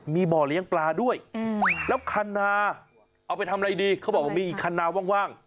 มีบ่อเลี้ยงปลาด้วยแล้วคันนาเอาไปทำอะไรดีเขาบอกว่ามีอีกคันนาว่าง